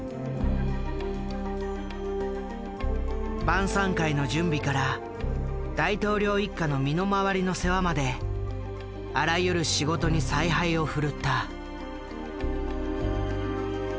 晩さん会の準備から大統領一家の身の回りの世話まであらゆる仕事に采配を振るった。